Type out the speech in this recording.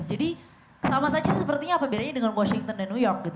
jadi sama saja sepertinya apa bedanya dengan washington dan new york gitu